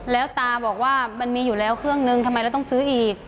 แล้วตาบอกว่ามันมีอยู่แล้วเครื่องนึงทำไมเราต้องซื้ออีก